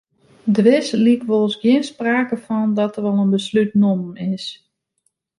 Der is lykwols gjin sprake fan dat der al in beslút nommen is.